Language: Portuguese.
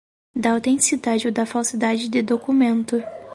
da autenticidade ou da falsidade de documento.